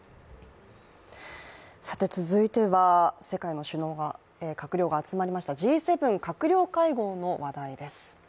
続いては、世界の閣僚が集まりましたＧ７閣僚会合の話題です。